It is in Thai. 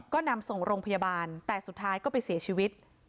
ก็นำส่งโรงพยาบาลแต่สุดท้ายก็ไปเสียชีวิต